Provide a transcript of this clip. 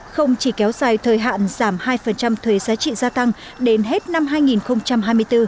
không chỉ kéo dài thời hạn giảm hai thuế giá trị gia tăng đến hết năm hai nghìn hai mươi bốn